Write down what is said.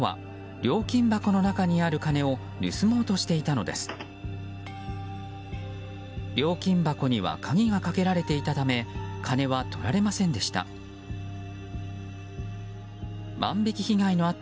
料金箱には鍵がかけられていたため金はとられませんでした。